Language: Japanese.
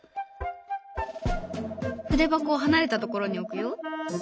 筆箱を離れたところに置くよ。